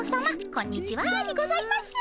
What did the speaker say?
こんにちはにございます。